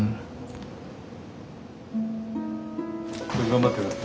頑張ってください。